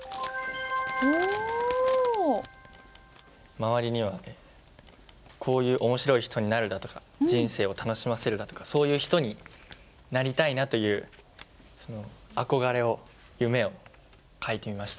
周りにはこういう「面白い人になる」だとか「人生を楽しませる」だとかそういう人になりたいなという憧れを夢を書いてみました。